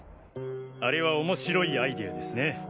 あれはおもしろいアイデアですね。